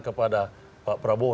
kepada pak prabowo